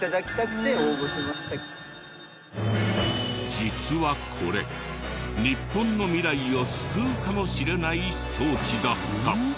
実はこれ日本の未来を救うかもしれない装置だった。